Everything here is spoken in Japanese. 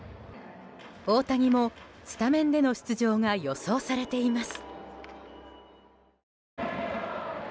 大谷もスタメンでの出場が予想されています。